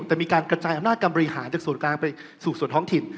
แต่มีการกระจายอำนาจการบริหารจากส่วนกลางไปสู่ส่วนท้องถิ่น